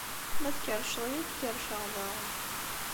Ma tkerrceḍ-iyi, ad k-kerrceɣ daɣen.